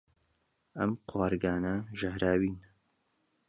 ئەم قوارگانە ژەهراوین.